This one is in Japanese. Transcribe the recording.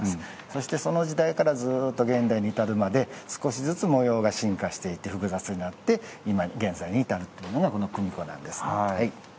そして、その時代からずっと現代に至るまで少しずつ模様が進化していって複雑になって今現在に至るっていうのがこの組子なんです。